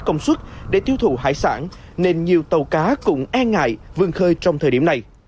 công suất để tiêu thụ hải sản nên nhiều tàu cá cũng e ngại vươn khơi trong thời điểm này